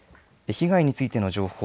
被害についての情報。